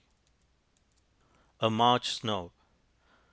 A MARCH SNOW.